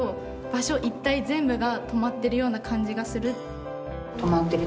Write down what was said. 一帯全部が止まってるような感じがする。